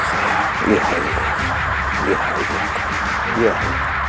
saya tidak tahu pak yai